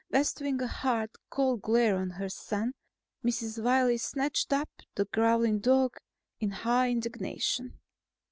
Bestowing a hard, cold glare on her son, Mrs. Wiley snatched up the growling dog in high indignation.